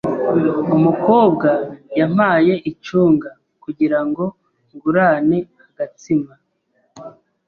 Umukobwa yampaye icunga kugirango ngurane agatsima.